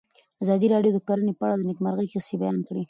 ازادي راډیو د کرهنه په اړه د نېکمرغۍ کیسې بیان کړې.